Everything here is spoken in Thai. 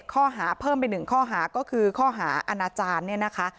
ที่๑๖คนโดนไป๗ข้อหาเพิ่มไป๑ข้อหาก็คือข้อหาอาณาจารย์เนี่ยนะคะ